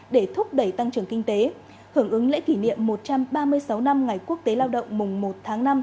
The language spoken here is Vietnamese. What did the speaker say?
để thúc đẩy tăng trưởng kinh tế hưởng ứng lễ kỷ niệm một trăm ba mươi sáu năm ngày quốc tế lao động mùng một tháng năm